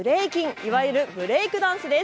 いわゆるブレイクダンスです。